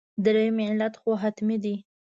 درېیم علت یې خو حتمي دی.